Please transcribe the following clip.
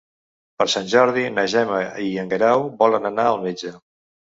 Per Sant Jordi na Gemma i en Guerau volen anar al metge.